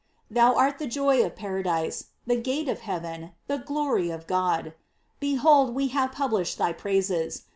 Thou art the joy of paradise, the gate of heaven, the glory of God. Behold, we have published thy praises.